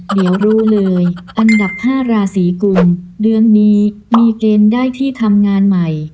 เดี๋ยวรู้เลยอันดับ๕ราศีกุมเดือนนี้มีเกณฑ์ได้ที่ทำงานใหม่